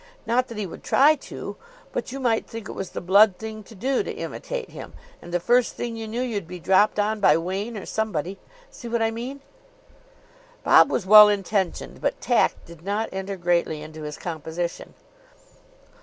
Not that he would try to. But you might think it was the blood thing to do to imitate him, and the first thing you knew you'd be dropped on by Wain or somebody. See what I mean?" Bob was well intentioned, but tact did not enter greatly into his composition.